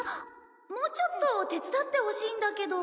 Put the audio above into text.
もうちょっと手伝ってほしいんだけど。